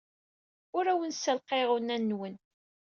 Ur awen-ssalqayeɣ unan-nwen.